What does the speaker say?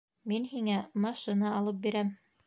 Мин һиңә машина алып бирәм.